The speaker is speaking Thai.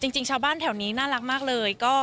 จริงชาวบ้านแถวนี้น่ารักมากเลย